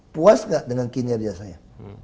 puas gak dengan kinerja saya